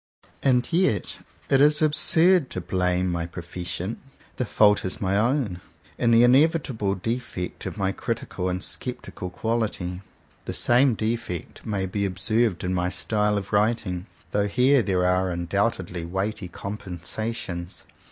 And yet it is absurd to blame my pro fession. The fault is my own, and the in evitable defect of my critical and sceptical quality. The same defect may be observed in my style of writing; though here there 147 CONFESSIONS OF TWO BROTHERS are undoubtedly weighty compensations.